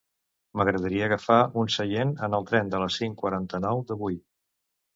M'agradaria agafar un seient en el tren de les cinc quaranta-nou d'avui.